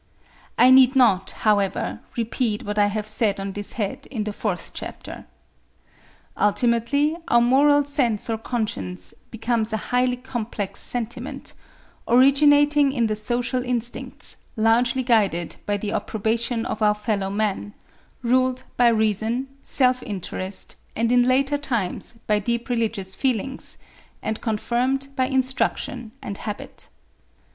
I need not, however, repeat what I have said on this head in the fourth chapter. Ultimately our moral sense or conscience becomes a highly complex sentiment—originating in the social instincts, largely guided by the approbation of our fellow men, ruled by reason, self interest, and in later times by deep religious feelings, and confirmed by instruction and habit.